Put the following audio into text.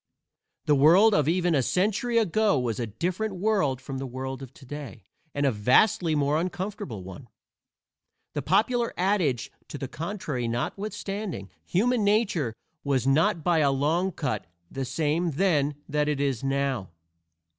The world of even a century ago was a different world from the world of today, and a vastly more uncomfortable one. The popular adage to the contrary notwithstanding, human nature was not by a long cut the same then that it is now.